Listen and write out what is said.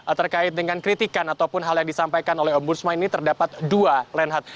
kalau kita kerucutkan terkait dengan kritikan ataupun hal yang disampaikan oleh om budsman ini terdapat dua lenhat